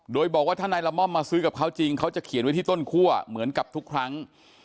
โดยบอกว่าถ้านายละม่อมมาซื้อกับเขาจริงเขาจะเขียนไว้ที่ต้นคั่วเหมือนกับทุกครั้ง